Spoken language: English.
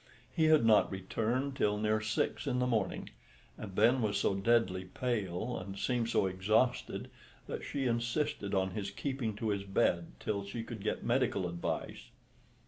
He had not returned till near six in the morning, and then was so deadly pale and seemed so exhausted that she insisted on his keeping to his bed till she could get medical advice.